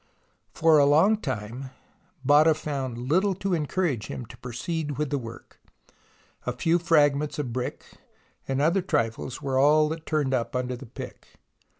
For a long time Botta found little to encourage him to proceed with the work, A few fragments of brick and other trifles were all that turned up under the pick.